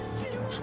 kamu sudah berubah